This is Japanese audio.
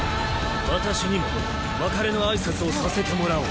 私にも別れの挨拶をさせてもらおう。